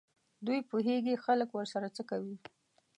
دوی پوهېږي خلک ورسره څه کوي.